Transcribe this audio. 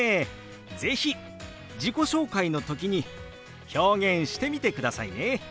是非自己紹介の時に表現してみてくださいね。